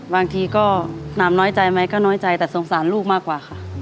บางทีก็หนามน้อยใจไหมก็น้อยใจแต่สงสารลูกมากกว่าค่ะ